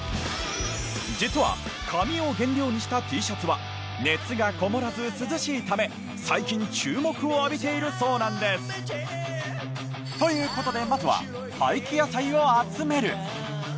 実は紙を原料にしたＴシャツは熱がこもらず涼しいため最近注目を浴びているそうなんです。という事でまずは廃棄野菜を集める。